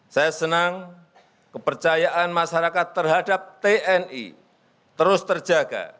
saya senang kepercayaan masyarakat terhadap tni terus terjaga